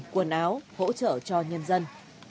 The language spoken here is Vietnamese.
quần áo hỗ trợ cho nhân dân